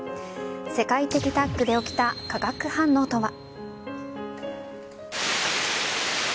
世界的タッグで起きた化学反応とは。